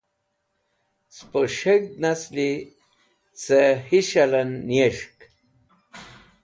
spo s̃heg̃hd nasli ca his̃hal'en niyes̃hk